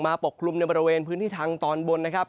ปกคลุมในบริเวณพื้นที่ทางตอนบนนะครับ